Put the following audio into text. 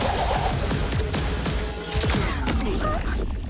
あっ。